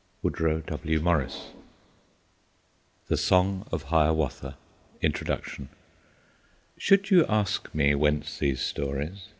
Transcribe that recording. Woodrow W. Morris April 1, 1991 The Song of Hiawatha Introduction Should you ask me, whence these stories?